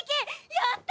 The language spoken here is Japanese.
やった！